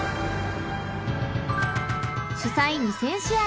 ［主催２，０００試合